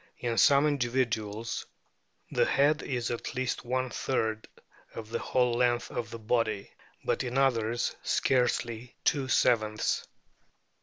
In some individuals the head is at least one third of the whole length of the body, but in others scarcely two sevenths."